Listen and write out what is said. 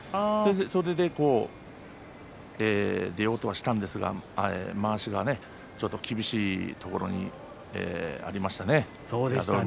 それで、出ようとはしたんですがちょっと厳しいところにありましたね。